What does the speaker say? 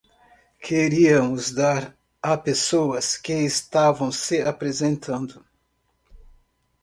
Queríamos dar a pessoas que estavam se apresentando.